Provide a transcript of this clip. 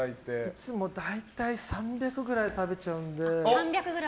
いつも大体３００ぐらい食べちゃうので。